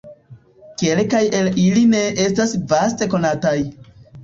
Kelkaj el ili ne estas vaste konataj.